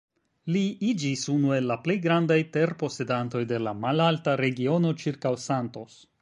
Li iĝis unu el la plej grandaj terposedantoj de la malalta regiono ĉirkaŭ Santos.